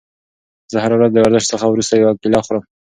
زه هره ورځ د ورزش څخه وروسته یوه کیله خورم.